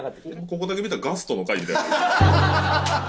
ここだけ見たらガストの回みたいな。